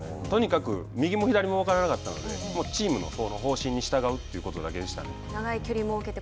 とにかく右も左も分からなかったのでチームの方針に従うということだけでしたね。